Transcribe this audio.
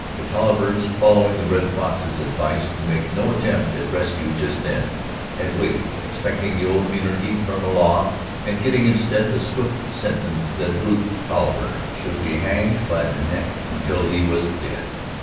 The Tollivers, following the Red Fox's advice to make no attempt at rescue just then, had waited, expecting the old immunity from the law and getting instead the swift sentence that Rufe Tolliver should be hanged by the neck until he was dead.